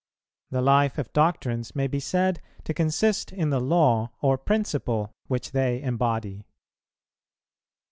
The life of doctrines may be said to consist in the law or principle which they embody.